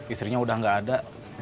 istrinya udah gak ada